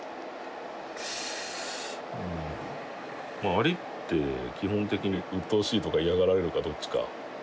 蟻って基本的にうっとうしいとか嫌がられるかどっちか。